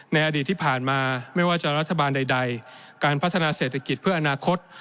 ในอดีตที่ผ่านมาไม่ว่าจะรัฐบาลใดการพัฒนาเศรษฐกิจเพื่ออนาคต